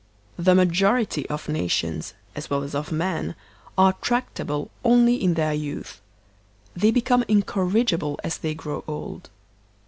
The majority of nations, as well as of men, are tractable only in their youth; they become incorrigible as they grow old.